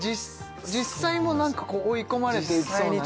実際もなんかこう追い込まれていきそうなね